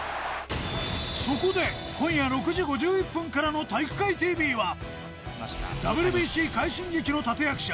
そこで今夜６時５１分からの体育会ＴＶはＷＢＣ快進撃の立て役者